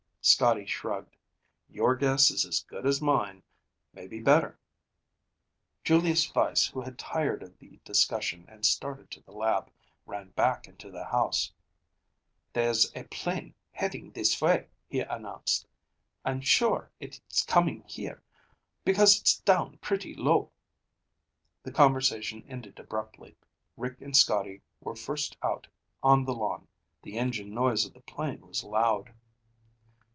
Scotty shrugged. "Your guess is as good as mine. Maybe better." Julius Weiss, who had tired of the discussion and started to the lab, ran back into the house. "There's a plane heading this way," he announced. "I'm sure it's coming here, because it's down pretty low." The conversation ended abruptly. Rick and Scotty were first out on the lawn. The engine noise of the plane was loud.